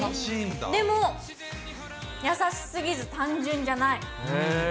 でも優しすぎず、単純じゃない。